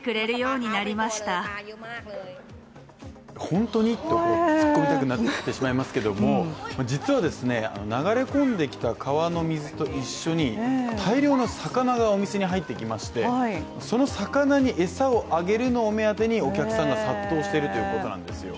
本当に？と突っ込みたくなってしまいますけれども、実は、流れ込んできた川の水と一緒に大量の魚がお店に入ってきましてその魚に餌をあげるのを目当てにお客さんが殺到しているということなんですよ